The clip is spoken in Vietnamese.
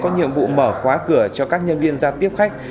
nhiệm vụ mở khóa cửa cho các nhân viên giao tiếp khách